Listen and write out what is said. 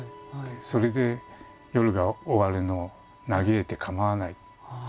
それで夜が終わるのを嘆いてかまわない。